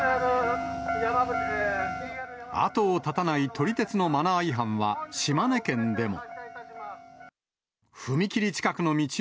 後を絶たない撮り鉄のマナー違反は、島根県でも。